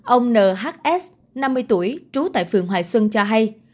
ông nhs năm mươi tuổi trú tại phường hoài xuân cho hay